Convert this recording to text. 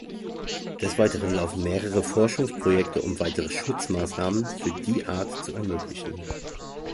Des Weiteren laufen mehrere Forschungsprojekte um weitere Schutzmaßnahmen für die Art zu ermöglichen.